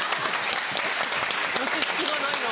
落ち着きがないな。